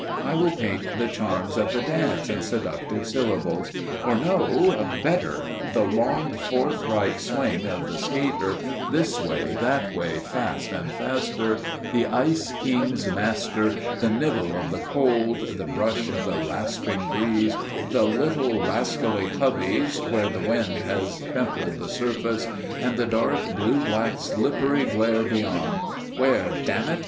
I will paint the charms of the dance in seductive syllables; or no! better the long forthright swing of the skater, this way, that way, fast and faster, the Ice King's master, the nibble of the cold, the brush of the rasping breeze, the little rascally hubbies where the wind has pimpled the surface, and the dark, blue black slippery glare beyond, where damn it!